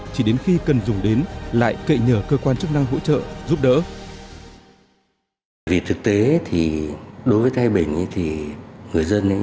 chỉ đến khi cần dùng đến lại kệ nhờ cơ quan chức năng hỗ trợ